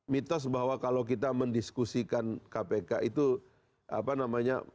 mitos bahwa kalau kita mendiskusikan kpk itu apa namanya